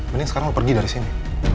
mending sekarang mau pergi dari sini